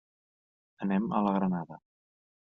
Anem a la Granada.